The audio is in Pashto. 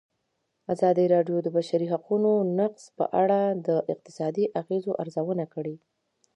ازادي راډیو د د بشري حقونو نقض په اړه د اقتصادي اغېزو ارزونه کړې.